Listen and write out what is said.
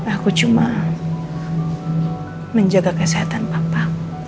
aku cuma menjaga kesehatan papa